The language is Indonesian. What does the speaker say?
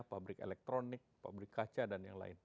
pabrik elektronik pabrik kaca dan yang lain